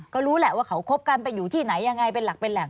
ก็รู้แหละว่าเขาคบกันไปอยู่ที่ไหนยังไงเป็นหลักเป็นแหล่ง